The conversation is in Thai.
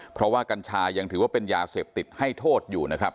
เพราะว่ากัญชายังถือว่าเป็นยาเสพติดให้โทษอยู่นะครับ